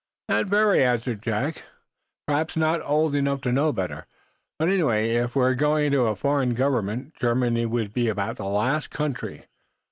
"Not very," Jack answered. "Perhaps not old enough to know better. Anyway, if I were going to a foreign government, Germany would be about the last country.